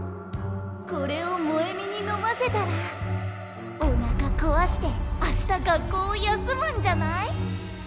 これを萌美に飲ませたらおなかこわして明日学校を休むんじゃない？